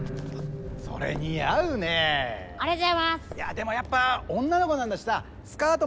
でもやっぱ女の子なんだしさスカート